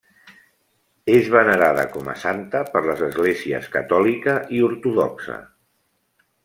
És venerada com a santa per les esglésies catòlica i ortodoxa.